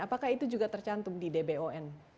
apakah itu juga tercantum di dbon